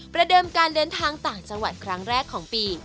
เดิมการเดินทางต่างจังหวัดครั้งแรกของปี